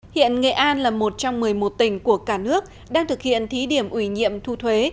hiện nghệ an là một trong một mươi một tỉnh của cả nước đang thực hiện thí điểm ủy nhiệm thu thuế